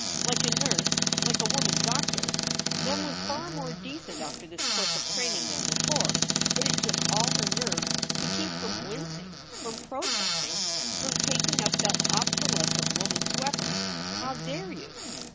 Like a nurse, like a woman doctor, Mem was far more decent after this course of training than before. But it took all her nerve to keep from wincing, from protesting, from taking up that obsolescent woman s weapon, "How dare you!"